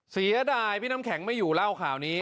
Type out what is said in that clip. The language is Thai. เสียดายพี่น้ำแข็งไม่อยู่เล่าข่าวนี้